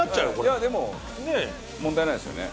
いやでも問題ないですよね。